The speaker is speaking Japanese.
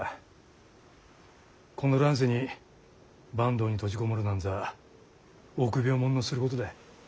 この乱世に坂東に閉じ籠もるなんざ臆病者のすることだ。